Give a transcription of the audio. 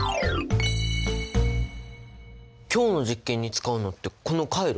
今日の実験に使うのってこのカイロ？